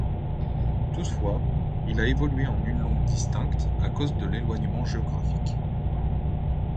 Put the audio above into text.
Toutefois, il a évolué en une langue distincte à cause de l'éloignement géographique.